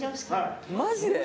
マジで？